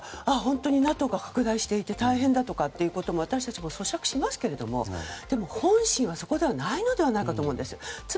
本当にＮＡＴＯが拡大していて大変だとか私たちもそしゃくしますけどもでも、本心はそこではないのではないかと思うんです。